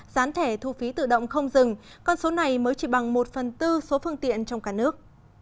gián thẻ thu phí tự động không dừng con số này mới chỉ bằng một phần tư số phương tiện trong cả nước